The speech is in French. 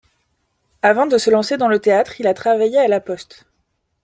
Avant de se lancer dans le théâtre, il a travaillé à la Poste.